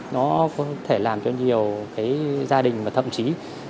nó có thể làm cho nhiều cái gia đình mà thậm chí